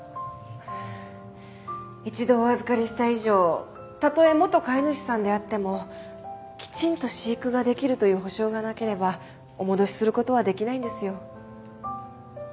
一度お預かりした以上たとえ元飼い主さんであってもきちんと飼育ができるという保証がなければお戻しする事はできないんですよ。